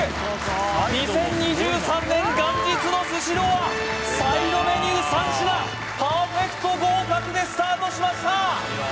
２０２３年元日のスシローはサイドメニュー３品パーフェクト合格でスタートしました！